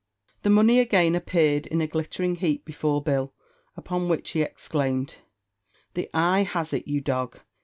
The money again appeared in a glittering heap before Bill, upon which he exclaimed "The ay has it, you dog.